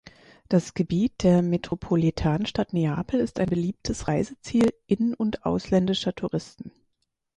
Das Gebiet der Metropolitanstadt Neapel ist ein beliebtes Reiseziel in- und ausländischer Touristen.